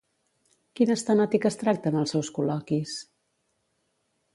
Quines temàtiques tracta en els seus col·loquis?